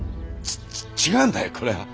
ち違うんだよこれは。